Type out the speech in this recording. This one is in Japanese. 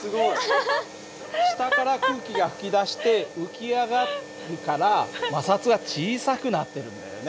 下から空気が噴き出して浮き上がるから摩擦が小さくなってるんだよね。